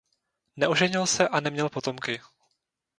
Neoženil se a neměl potomky.